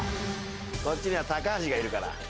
こっちには橋がいるから。